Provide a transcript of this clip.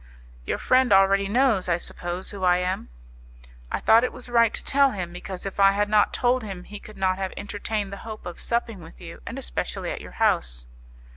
"Your friend already knows, I suppose, who I am?" "I thought it was right to tell him, because if I had not told him he could not have entertained the hope of supping with you, and especially at your house."